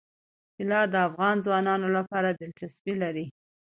طلا د افغان ځوانانو لپاره دلچسپي لري.